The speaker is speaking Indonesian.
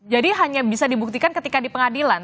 jadi hanya bisa dibuktikan ketika di pengadilan